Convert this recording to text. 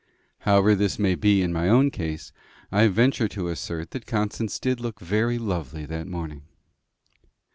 However this may be in my own case, I venture to assert that Constance did look very lovely that morning.